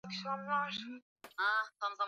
Mikoa ya Arusha na Kilimanjaro Upande wa kaskazini